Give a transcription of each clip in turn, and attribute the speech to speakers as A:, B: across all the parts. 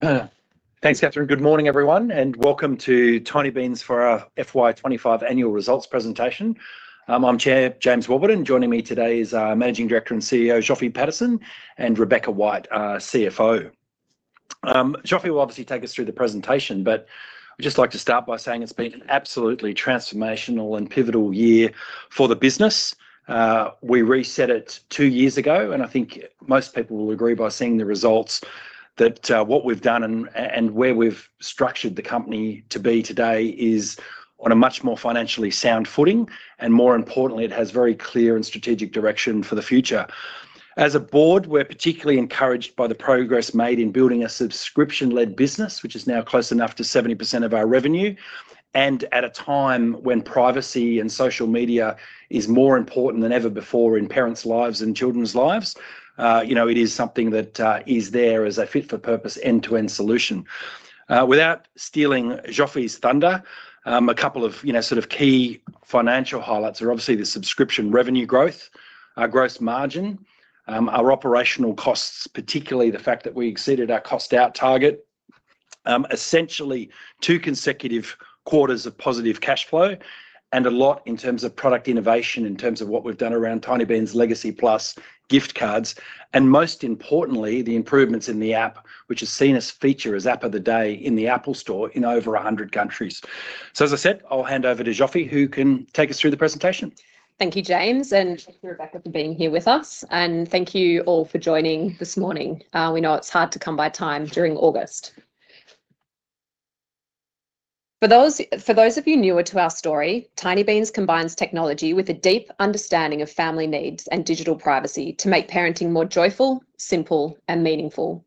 A: Thanks, Catherine. Good morning, everyone, and welcome to Tinybeans Group Ltd for our FY 2025 Annual Results Presentation. I'm Chair James Warburton. Joining me today is our Managing Director and CEO, Zsofi Paterson, and Rebecca White, our CFO. Zsofi will obviously take us through the presentation, but I'd just like to start by saying it's been an absolutely transformational and pivotal year for the business. We reset it two years ago, and I think most people will agree by seeing the results that what we've done and where we've structured the company to be today is on a much more financially sound footing. More importantly, it has very clear and strategic direction for the future. As a Board, we're particularly encouraged by the progress made in building a subscription-led business, which is now close enough to 70% of our revenue. At a time when privacy and social media is more important than ever before in parents' lives and children's lives, it is something that is there as a fit-for-purpose end-to-end solution. Without stealing Zsofi's thunder, a couple of key financial highlights are obviously the subscription revenue growth, our gross margin, our operational costs, particularly the fact that we exceeded our cost-out target, essentially two consecutive quarters of positive cash flow, and a lot in terms of product innovation, in terms of what we've done around Tinybeans Legacy, Tinybeans+ Gift Cards, and most importantly, the improvements in the app, which is seen as a feature as App of the Day in the Apple Store in over 100 countries. As I said, I'll hand over to Zsofi, who can take us through the presentation.
B: Thank you, James, and Rebecca, for being here with us. Thank you all for joining this morning. We know it's hard to come by time during August. For those of you newer to our story, Tinybeans combines technology with a deep understanding of family needs and digital privacy to make parenting more joyful, simple, and meaningful.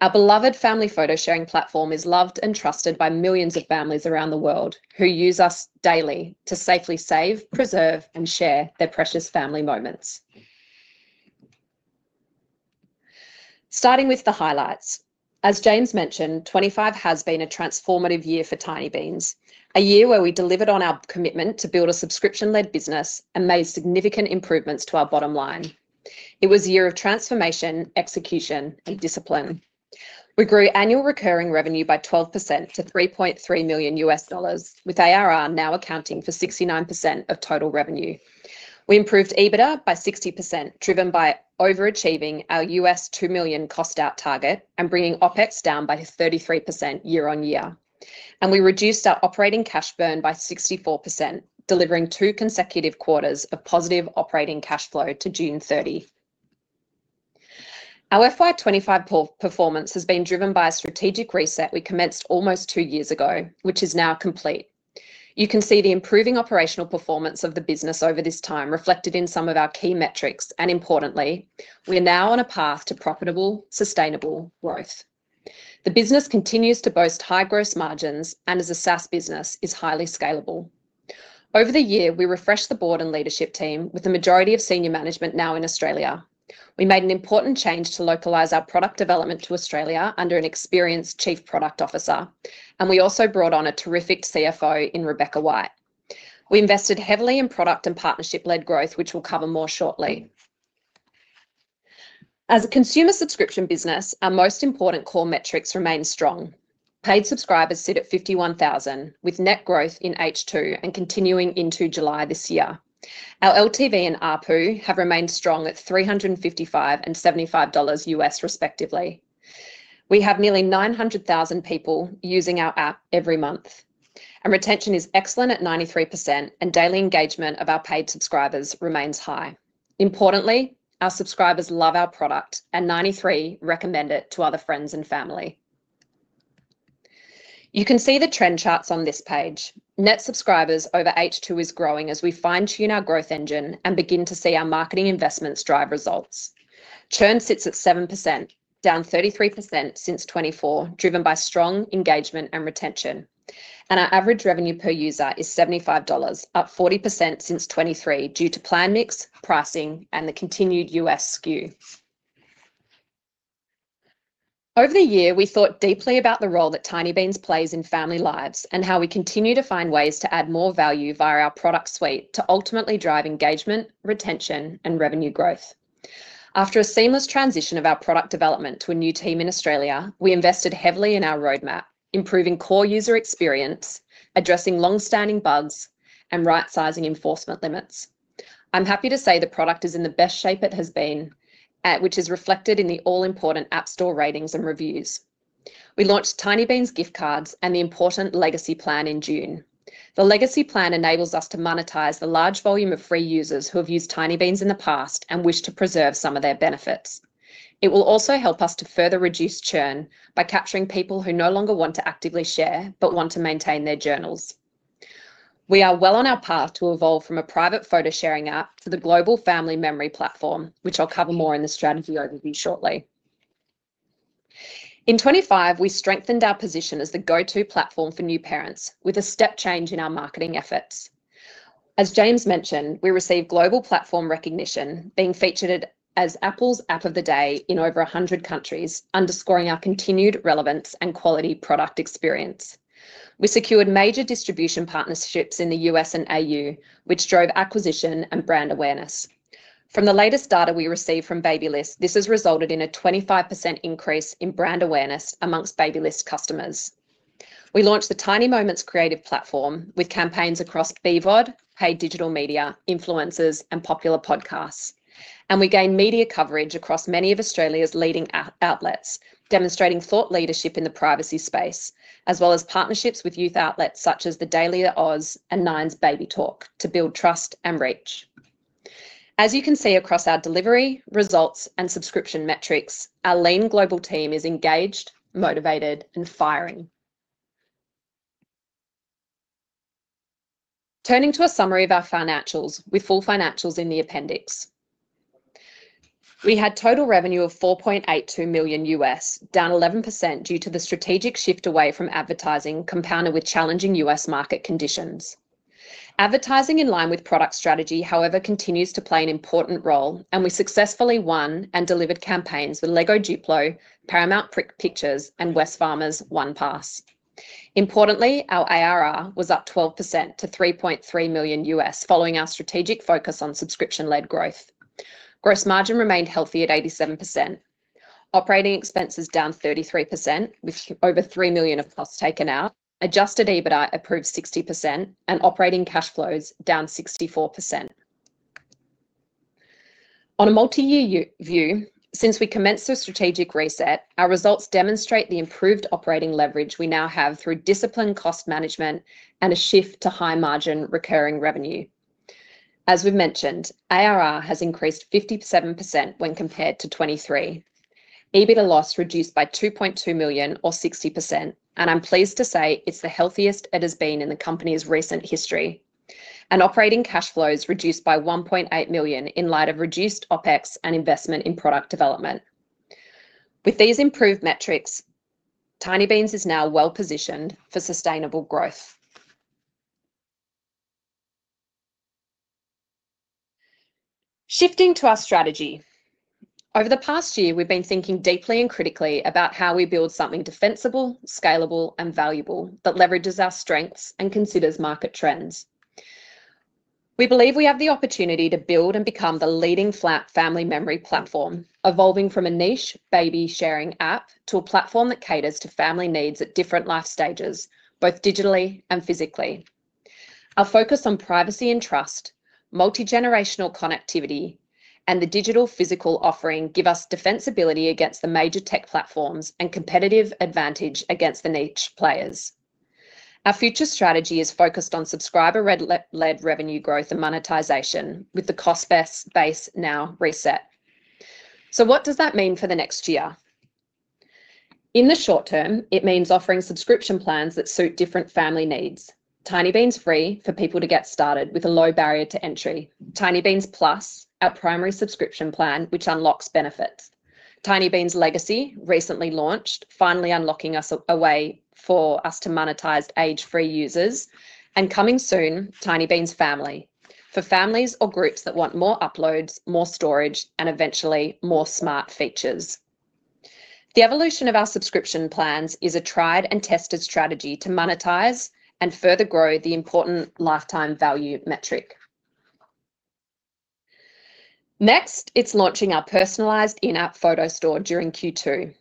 B: Our beloved family photo sharing platform is loved and trusted by millions of families around the world who use us daily to safely save, preserve, and share their precious family moments. Starting with the highlights, as James mentioned, 2025 has been a transformative year for Tinybeans, a year where we delivered on our commitment to build a subscription-led business and made significant improvements to our bottom line. It was a year of transformation, execution, and discipline. We grew annual recurring revenue by 12% to $3.3 million, with ARR now accounting for 69% of total revenue. We improved EBITDA by 60%, driven by overachieving our $2 million cost-out target and bringing OpEx down by 33% year-on-year. We reduced our operating cash burn by 64%, delivering two consecutive quarters of positive operating cash flow to June 30. Our FY 2025 performance has been driven by a strategic reset we commenced almost two years ago, which is now complete. You can see the improving operational performance of the business over this time reflected in some of our key metrics. Importantly, we are now on a path to profitable, sustainable growth. The business continues to boast high gross margins and, as a SaaS business, is highly scalable. Over the year, we refreshed the Board and leadership team, with the majority of senior management now in Australia. We made an important change to localize our product development to Australia under an experienced Chief Product Officer, and we also brought on a terrific CFO in Rebecca White. We invested heavily in product and partnership-led growth, which we'll cover more shortly. As a consumer subscription business, our most important core metrics remain strong. Paid subscribers sit at 51,000, with net growth in H2 and continuing into July this year. Our LTV and ARPU have remained strong at $355 and $75 respectively. We have nearly 900,000 people using our app every month. Retention is excellent at 93%, and daily engagement of our paid subscribers remains high. Importantly, our subscribers love our product, and 93% recommend it to other friends and family. You can see the trend charts on this page. Net subscribers over H2 is growing as we fine-tune our growth engine and begin to see our marketing investments drive results. Churn sits at 7%, down 33% since 2024, driven by strong engagement and retention. Our average revenue per user is $75, up 40% since 2023 due to planned mix, pricing, and the continued U.S. skew. Over the year, we thought deeply about the role that Tinybeans plays in family lives and how we continue to find ways to add more value via our product suite to ultimately drive engagement, retention, and revenue growth. After a seamless transition of our product development to a new team in Australia, we invested heavily in our roadmap, improving core user experience, addressing long-standing bugs, and right-sizing enforcement limits. I'm happy to say the product is in the best shape it has been, which is reflected in the all-important App Store ratings and reviews. We launched Tinybeans+ Gift Cards and the important Tinybeans Legacy plan in June. The Tinybeans Legacy plan enables us to monetize the large volume of free users who have used Tinybeans in the past and wish to preserve some of their benefits. It will also help us to further reduce churn by capturing people who no longer want to actively share but want to maintain their journals. We are well on our path to evolve from a private photo sharing app to the global family memory platform, which I'll cover more in the strategy overview shortly. In 2025, we strengthened our position as the go-to platform for new parents, with a step change in our marketing efforts. As James mentioned, we received global platform recognition, being featured as Apple's App of the Day in over 100 countries, underscoring our continued relevance and quality product experience. We secured major distribution partnerships in the U.S. and Australia, which drove acquisition and brand awareness. From the latest data we received from Babyliss, this has resulted in a 25% increase in brand awareness amongst Babyliss customers. We launched the Tiny Moments Creative Platform with campaigns across Vevod, paid digital media, influencers, and popular podcasts. We gained media coverage across many of Australia's leading outlets, demonstrating thought leadership in the privacy space, as well as partnerships with youth outlets such as The Daily Oz and Nine's Baby Talk to build trust and reach. As you can see across our delivery, results, and subscription metrics, our lean global team is engaged, motivated, and firing. Turning to a summary of our financials, with full financials in the appendix. We had total revenue of $4.82 million U.S., down 11% due to the strategic shift away from advertising, compounded with challenging U.S. market conditions. Advertising in line with product strategy, however, continues to play an important role, and we successfully won and delivered campaigns with Lego Duplo, Paramount Pictures, and Wesfarmers One Pass. Importantly, our ARR was up 12% to $3.3 million U.S., following our strategic focus on subscription-led growth. Gross margin remained healthy at 87%. Operating expenses down 33%, with over $3 million of costs taken out, adjusted EBITDA improved 60%, and operating cash flows down 64%. On a multi-year view, since we commenced the strategic reset, our results demonstrate the improved operating leverage we now have through disciplined cost management and a shift to high margin recurring revenue. As we mentioned, ARR has increased 57% when compared to 2023. EBITDA loss reduced by $2.2 million, or 60%, and I'm pleased to say it's the healthiest it has been in the company's recent history. Operating cash flows reduced by $1.8 million in light of reduced OpEx and investment in product development. With these improved metrics, Tinybeans Group Ltd is now well positioned for sustainable growth. Shifting to our strategy, over the past year, we've been thinking deeply and critically about how we build something defensible, scalable, and valuable that leverages our strengths and considers market trends. We believe we have the opportunity to build and become the leading family memory platform, evolving from a niche baby sharing app to a platform that caters to family needs at different life stages, both digitally and physically. Our focus on privacy and trust, multigenerational connectivity, and the digital physical offering give us defensibility against the major tech platforms and competitive advantage against the niche players. Our future strategy is focused on subscriber-led revenue growth and monetization, with the cost base now reset. For the next year, in the short term, it means offering subscription plans that suit different family needs. Tinybeans Free for people to get started with a low barrier to entry. Tinybeans Plus, our primary subscription plan, which unlocks benefits. Tinybeans Legacy, recently launched, finally unlocking a way for us to monetize age-free users. Coming soon, Tinybeans Family, for families or groups that want more uploads, more storage, and eventually more smart features. The evolution of our subscription plans is a tried and tested strategy to monetize and further grow the important lifetime value metric. Next, it's launching our personalized in-app photo store during Q2.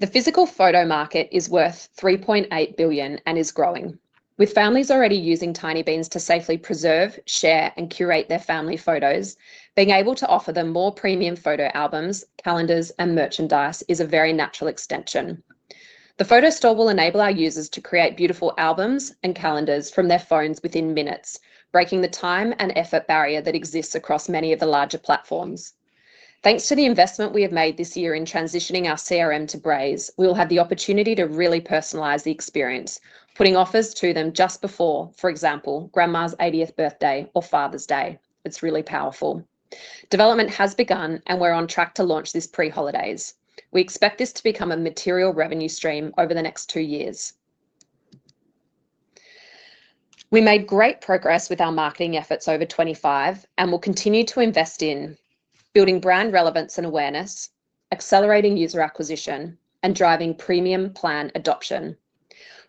B: The physical photo market is worth $3.8 billion and is growing. With families already using Tinybeans to safely preserve, share, and curate their family photos, being able to offer them more premium photo albums, calendars, and merchandise is a very natural extension. The photo store will enable our users to create beautiful albums and calendars from their phones within minutes, breaking the time and effort barrier that exists across many of the larger platforms. Thanks to the investment we have made this year in transitioning our CRM to BraiZ, we will have the opportunity to really personalize the experience, putting offers to them just before, for example, Grandma's 80th birthday or Father's Day. It's really powerful. Development has begun, and we're on track to launch this pre-holidays. We expect this to become a material revenue stream over the next two years. We made great progress with our marketing efforts over 2025, and we'll continue to invest in building brand relevance and awareness, accelerating user acquisition, and driving premium plan adoption.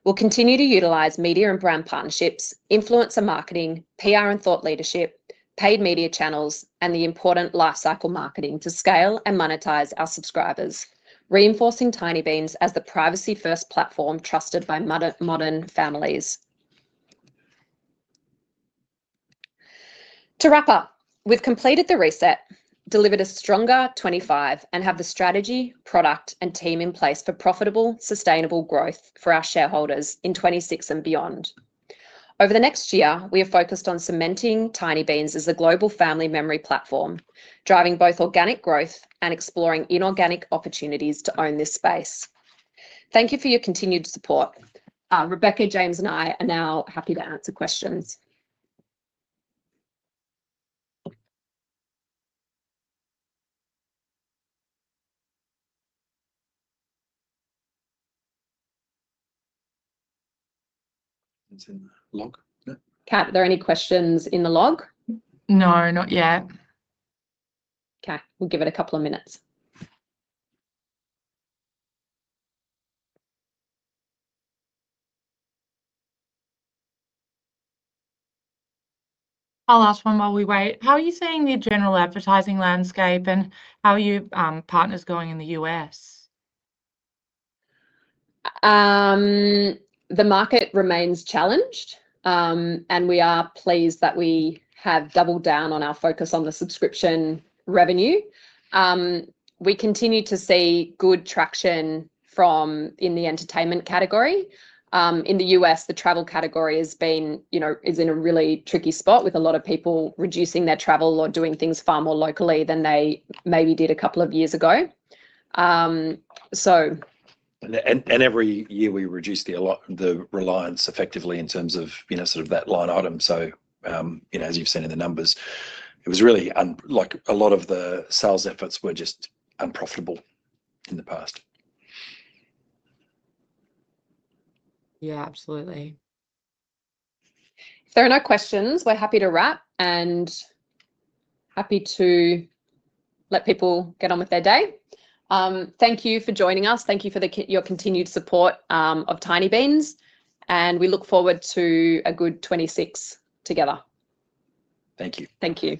B: We'll continue to utilize media and brand partnerships, influencer marketing, PR and thought leadership, paid media channels, and the important lifecycle marketing to scale and monetize our subscribers, reinforcing Tinybeans as the privacy-first platform trusted by modern families. To wrap up, we've completed the reset, delivered a stronger 2025 and have the strategy, product, and team in place for profitable, sustainable growth for our shareholders in 2026 and beyond. Over the next year, we are focused on cementing Tinybeans as a global family memory platform, driving both organic growth and exploring inorganic opportunities to own this space. Thank you for your continued support. Rebecca, James, and I are now happy to answer questions. Are there any questions in the log?
C: No, not yet.
B: OK, we'll give it a couple of minutes.
C: I'll ask one while we wait. How are you seeing the general advertising landscape, and how are your partners going in the U.S.?
B: The market remains challenged, and we are pleased that we have doubled down on our focus on the subscription revenue. We continue to see good traction in the entertainment category. In the U.S., the travel category is in a really tricky spot, with a lot of people reducing their travel or doing things far more locally than they maybe did a couple of years ago.
A: Every year, we reduce the reliance effectively in terms of, you know, sort of that line item. As you've said in the numbers, it was really like a lot of the sales efforts were just unprofitable in the past.
C: Yeah, absolutely.
B: If there are no questions, we're happy to wrap and happy to let people get on with their day. Thank you for joining us. Thank you for your continued support of Tinybeans. We look forward to a good 2026 together.
A: Thank you.
B: Thank you.